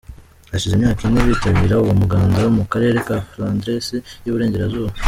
Hashize imyaka ine bitabira uwo muganda mu Karere ka Flandres y’Iburengerazuba.